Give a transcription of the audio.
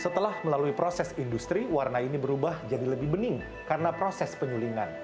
setelah melalui proses industri warna ini berubah jadi lebih bening karena proses penyulingan